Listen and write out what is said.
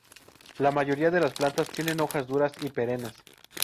La mayoría de las plantas tienen hojas duras y perennes.